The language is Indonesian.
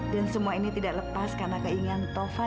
dan semua ini tidak lepas karena keinginan taufan